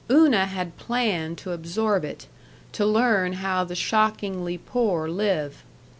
Una had planned to absorb it; to learn how the shockingly poor live.